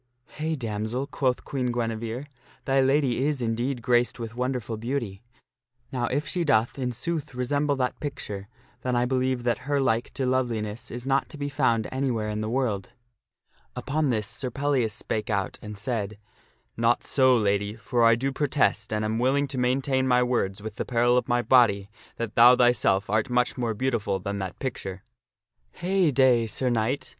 " Hey, damsel !" quoth Queen Guinevere, " thy lady is, indeed, graced with wonderful beauty. Now if she doth in sooth resemble that picture, then I believe that her like to loveliness is not to be found anywhere in the world." Upon this Sir Pellias spake out and said, " Not so, Lady ; for I do pro test, and am willing to maintain my words with the peril of my body, that thou thyself art much more beautiful than that picture." " Hey day, Sir Knight